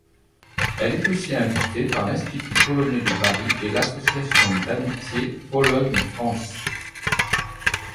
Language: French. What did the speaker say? Elle est aussi invitée par l'Institut polonais de Paris et l'association d'amitié Pologne-France.